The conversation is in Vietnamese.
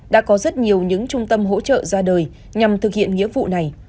đã có rất nhiều những trung tâm hỗ trợ ra đời nhằm thực hiện nghĩa vụ này